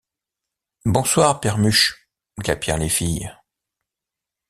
Bonsoir, pèremuche! glapirent les filles.